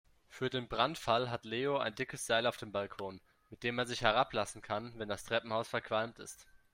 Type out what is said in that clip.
Für den Brandfall hat Leo ein dickes Seil auf dem Balkon, mit dem er sich herablassen kann, wenn das Treppenhaus verqualmt ist.